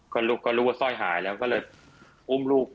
ก็ลูกก็รู้ว่าสร้อยหายแล้วก็เลยอุ้มลูก